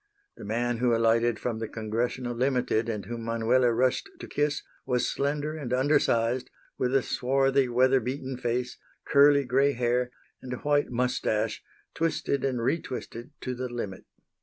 The man who alighted from the Congressional Limited and whom Manuela rushed to kiss was slender and undersized, with a swarthy, weather beaten face, curly gray hair and a white moustache, twisted and re twisted to the limit.